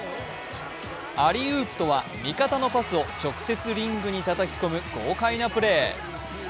アリウープとは、味方のパスを直接リングにたたき込む豪快なプレー。